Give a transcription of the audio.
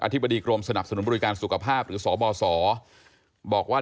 ธิบดีกรมสนับสนุนบริการสุขภาพหรือสบสบอกว่า